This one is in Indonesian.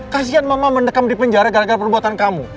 kasian mama mendekam di penjara gara gara perbuatan kamu